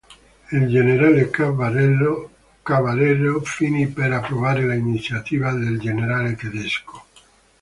Il generale Cavallero finì per approvare l'iniziativa del generale tedesco.